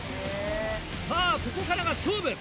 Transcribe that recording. さあ、ここからが勝負。